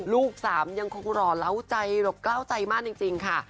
ลูกสามยังคงหล่อเล้าใจกล้าวใจมากจริงค่ะ